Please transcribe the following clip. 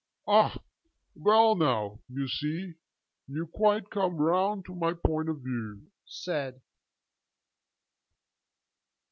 'Ah, well now, you see, you quite come round to my point of view,' said I.